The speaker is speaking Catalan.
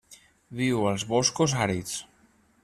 Viu als boscos àrids.